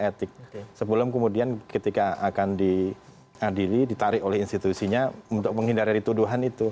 etik sebelum kemudian ketika akan diadili ditarik oleh institusinya untuk menghindari tuduhan itu